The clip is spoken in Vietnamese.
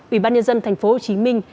ủy ban nhân dân thành phố hồ chí minh